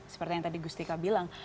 seperti yang tadi gustika bilang